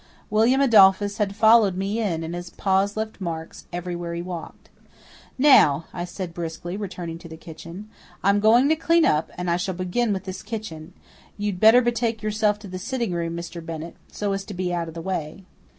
William Adolphus had followed me in and his paws left marks everywhere he walked. "Now," I said briskly, returning to the kitchen, "I'm going to clean up and I shall begin with this kitchen. You'd better betake yourself to the sitting room, Mr. Bennett, so as to be out of the way."